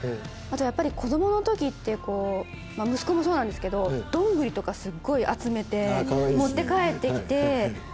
あとやっぱり子どもの時ってこう息子もそうなんですけどドングリとかすっごい集めて持って帰って来て。